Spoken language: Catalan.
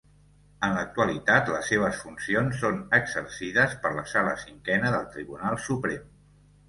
En l'actualitat les seves funcions són exercides per la Sala Cinquena del Tribunal Suprem.